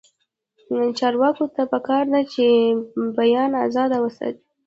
چارواکو ته پکار ده چې، بیان ازادي وساتي.